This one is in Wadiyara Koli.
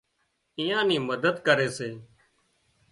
ايئان نِي مدد ڪري سي